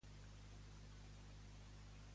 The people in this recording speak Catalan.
Com es diu el pare de Mahishàsura?